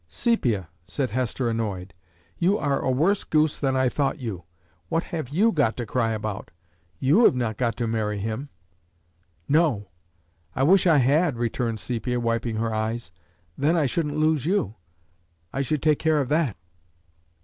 "Sepia!" said Hesper, annoyed, "you are a worse goose than I thought you! What have you got to cry about? You have not got to marry him!" "No; I wish I had!" returned Sepia, wiping her eyes. "Then I shouldn't lose you. I should take care of that."